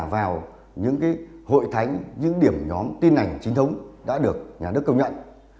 vào những hội thánh những điểm nhóm tin ảnh chính thống đã được nhà nước công nhận